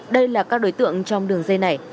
đây là các đối tượng trong đường dây này